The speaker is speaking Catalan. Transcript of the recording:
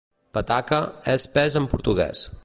"Pataca" és pes en portuguès.